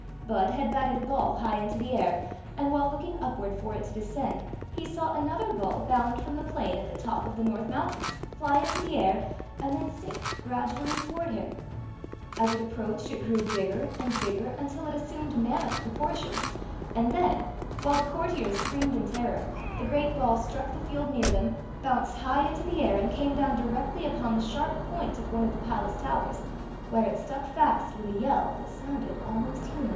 Bud had batted a ball high into the air, and while looking up ward for it to descend he saw another ball bound from the plain at the top of the North Mountains, fly into the air, and then sink gradually toward him. As it approached, it grew bigger and bigger, until it assumed mammoth proportions; and then, while the courtiers screamed in terror, the great ball struck the field near them, bounced high into the air, and came down directly upon the sharp point of one of the pal ace towers» where it stuck fast with a yell that soun^ almost human.